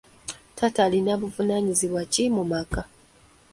Taata alina buvunaanyizibwa ki mu maka?